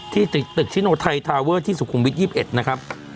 ที่ตึกชิโนไทยทาเวอร์ที่สุขุมวิทย์ยี่สิบเอ็ดนะครับ